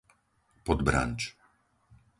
Podbranč